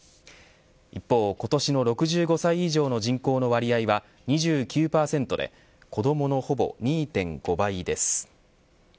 一方、今年の６５歳以上の人口の割合は２９％で子どものほぼ２．５倍です。